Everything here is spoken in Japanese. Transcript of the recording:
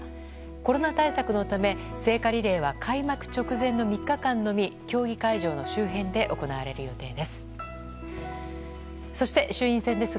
コロナ対策のため聖火リレーは開幕直前の３日間のみ競技会場の周辺で行われる予定です。